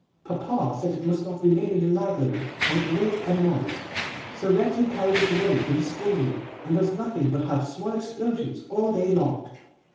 Papa said it must not remain in the library, as it made a noise, so Reggie carried it away to the schoolroom, and does nothing but have small explosions all day long.